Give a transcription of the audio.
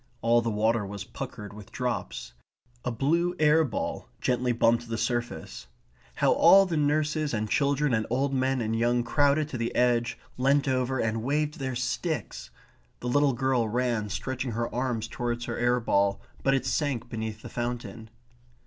All the water was puckered with drops. A blue air ball gently bumped the surface. How all the nurses and children and old men and young crowded to the edge, leant over and waved their sticks! The little girl ran stretching her arms towards her air ball, but it sank beneath the fountain.